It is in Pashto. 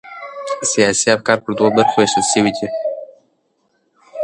سیاسي افکار پر دوو برخو وېشل سوي دي.